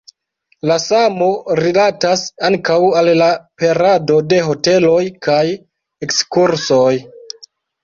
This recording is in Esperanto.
La samo rilatas ankaŭ al la perado de hoteloj kaj ekskursoj.